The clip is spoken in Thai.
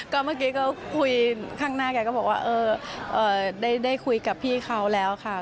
ก็เมื่อกี้ก็คุยข้างหน้าแกก็บอกว่าเออได้คุยกับพี่เขาแล้วค่ะ